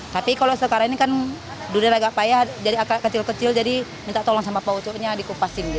tapi kalau sekarang ini kan durian agak payah jadi kecil kecil jadi minta tolong sama pautunya dikupasin gitu